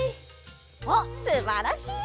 おっすばらしい！